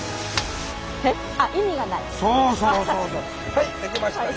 はいできました！